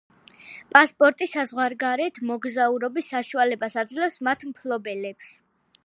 პასპორტი საზღვარგარეთ მოგზაურობის საშუალებას აძლევს მათ მფლობელებს.